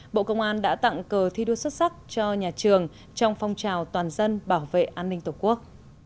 bộ công an đã tặng cờ thi đua xuất sắc cho nhà trường trong phong trào toàn dân bảo vệ an ninh tổ quốc